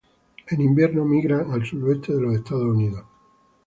En invierno migran al suroeste de los Estados Unidos.